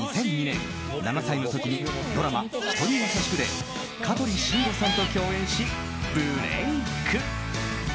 ２００２年、７歳の時にドラマ「人にやさしく」で香取慎吾さんと共演しブレーク。